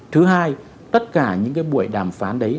thứ hai tất cả những cái buổi đàm phán đấy